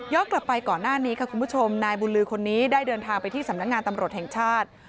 กลับไปก่อนหน้านี้ค่ะคุณผู้ชมนายบุญลือคนนี้ได้เดินทางไปที่สำนักงานตำรวจแห่งชาติ